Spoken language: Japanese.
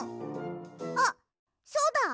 あっそうだ！